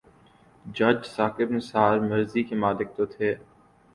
جج ثاقب نثار مرضی کے مالک تو تھے۔